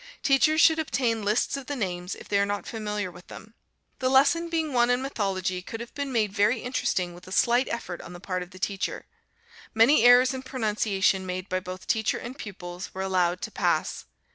Teachers should obtain lists of the names, if they are not familiar with them. The lesson being one in mythology, could have been made very interesting with a slight effort on the part of the teacher. Many errors in pronunciation made by both teacher and pupils, were allowed to pass.